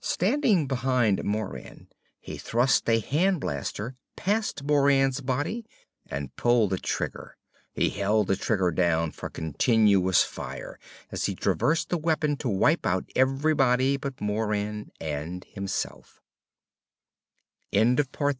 Standing behind Moran, he thrust a hand blaster past Moran's body and pulled the trigger. He held the trigger down for continuous fire as he traversed the weapon to wipe out everybody but Moran and himself. IV. Moran responded instantly.